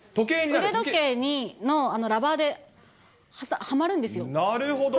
腕時計にラバーではまるんでなるほど。